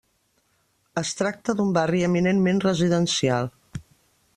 Es tracta d'un barri eminentment residencial.